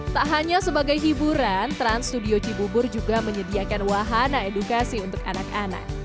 tak hanya sebagai hiburan trans studio cibubur juga menyediakan wahana edukasi untuk anak anak